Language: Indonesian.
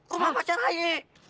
rumah pacar aja ini